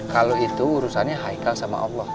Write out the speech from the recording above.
kalau itu urusannya haikal sama allah